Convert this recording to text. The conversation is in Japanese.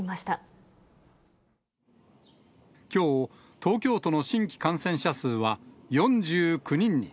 きょう、東京都の新規感染者数は４９人に。